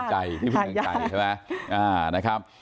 หายาก